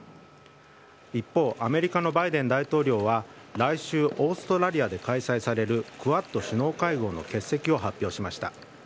一方アメリカのバイデン大統領は来週オーストラリアで開催されるクアッド首脳会合の欠席を発表しました。